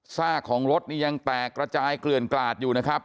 ซากของรถนี่ยังแตกระจายเกลื่อนกลาดอยู่นะครับ